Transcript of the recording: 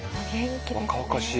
若々しい。